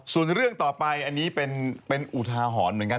ส่วนเรื่องต่อไปอันนี้เป็นอุทาหรณ์เหมือนกัน